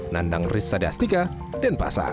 nandang risadastika dan pasar